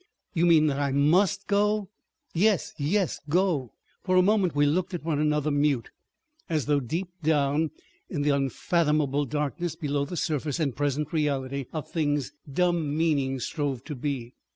"You mean that I must go." "Yes, yes. Go!" For a moment we looked at one another, mute, as though deep down in the unfathomable darkness below the surface and present reality of things dumb meanings strove to be.